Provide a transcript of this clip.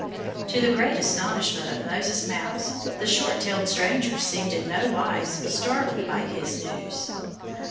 To the great astonishment of Moses Mouse, the short tailed stranger seemed in no wise startled by his news.